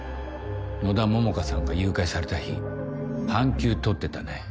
野田桃花さんが誘拐された日半休取ってたね。